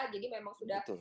jadi memang sudah